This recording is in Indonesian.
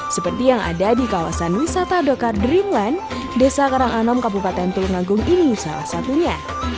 seperti yang ada di kawasan wisata dokar dreamland desa karanganom kabupaten tulungagung ini salah satunya